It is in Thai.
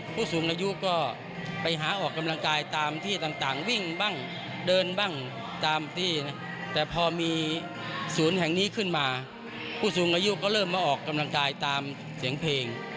ผู้สูงอายุก็ไปหาออกกำลังกายตามที่ต่างวิ่งบ้างเดินบ้างตามที่นะแต่พอมีศูนย์แห่งนี้ขึ้นมาผู้สูงอายุก็เริ่มมาออกกำลังกายตามเสียงเพลง